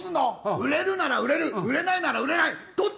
売れるなら売れる売れないなら売れない、どっち。